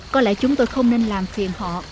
có lẽ chúng tôi không nên làm phiền họ